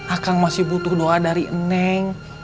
akang masih butuh doa dari neng